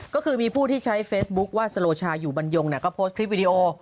ก็คือมีผู้ที่ใช้เฟซบุ๊คว่าสโลชาอยู่บรรยงก็โพสต์คลิปวิดีโอ